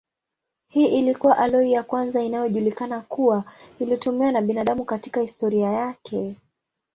Hii ilikuwa aloi ya kwanza inayojulikana kuwa ilitumiwa na binadamu katika historia yake.